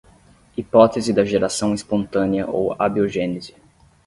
Hipótese da geração espontânea ou abiogênese